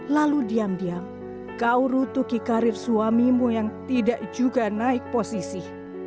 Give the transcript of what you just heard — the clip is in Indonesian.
lalu diam diam kau rutuki karir suamimu yang tidak juga naik posisi